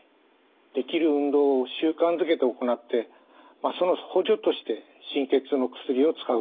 できる運動を習慣づけて行ってその補助として神経痛の薬を使うということがよいと思います。